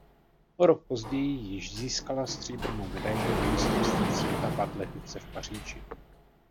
O rok později již získala stříbrnou medaili na mistrovství světa v atletice v Paříži.